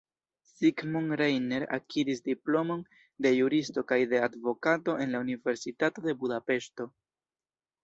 Zsigmond Reiner akiris diplomon de juristo kaj de advokato en la Universitato de Budapeŝto.